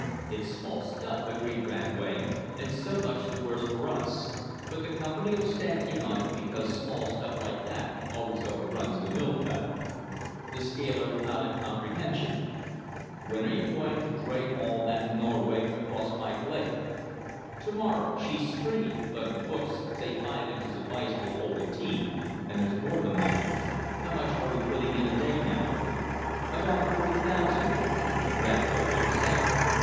"It's small stuff," agreed Radway, "and so much the worse for us; but the Company'll stand in on it because small stuff like that always over runs on the mill cut." The scaler nodded comprehension. "When you going to dray haul that Norway across Pike Lake?" "To morrow. She's springy, but the books say five inches of ice will hold a team, and there's more than that. How much are we putting in a day, now?" "About forty thousand." Radway fell silent.